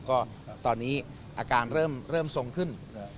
ก็ตอนนี้อาการเริ่มทรงขึ้น